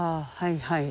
はい